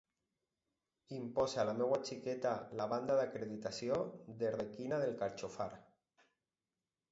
Impose a la meua xiqueta la banda d'acreditació de 'Requina del Carxofar'.